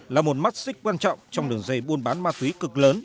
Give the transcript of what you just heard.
là một mắt xích quan trọng trong đường dây buôn bán ma túy cực lớn